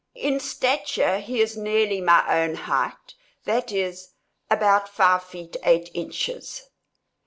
In stature he is nearly my own height; that is, about five feet eight inches.